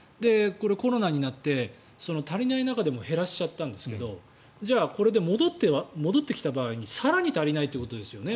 コロナになって、足りない中でも減らしちゃったんですけどじゃあ、これで戻ってきた場合に更に足りないということですよね。